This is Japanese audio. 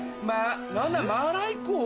何だマーライコウ？